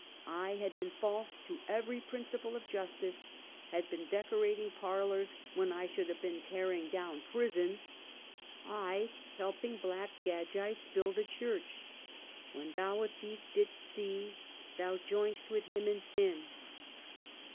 I had been false to every principle of justice; had been decorating parlors when I should have been tearing down prisons! 7, helping Black Gagites build a church! " When thou a thief didst see Thou join'st with him in sin."'